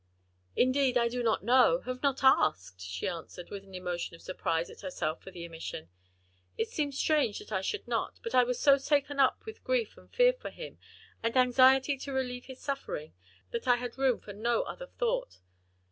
"Indeed I do not know, have not asked," she answered, with an emotion of surprise at herself for the omission. "It seems strange I should not, but I was so taken up with grief and fear for him, and anxiety to relieve his suffering that I had room for no other thought.